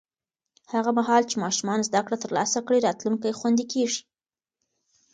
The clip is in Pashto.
هغه مهال چې ماشومان زده کړه ترلاسه کړي، راتلونکی خوندي کېږي.